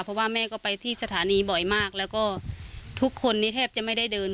เพราะว่าแม่ก็ไปที่สถานีบ่อยมากแล้วก็ทุกคนนี้แทบจะไม่ได้เดิน